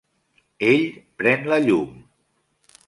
Ell pren la llum.